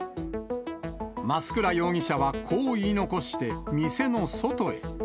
増倉容疑者はこう言い残して店の外へ。